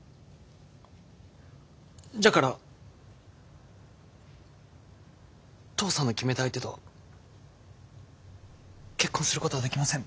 じゃから父さんの決めた相手と結婚することはできません。